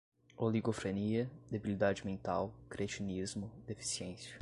oligofrenia, debilidade mental, cretinismo, deficiência